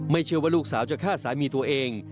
เชื่อว่าลูกสาวจะฆ่าสามีตัวเอง